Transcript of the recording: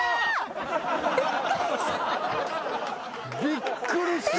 びっくりした。